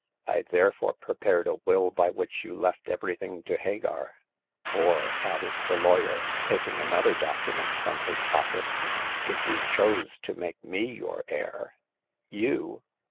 I therefore prepared a will by which you left everjlhing to Hagar. Or,'* added the lawyer, taking another document from his pocket, if you chose to make me your heir "" You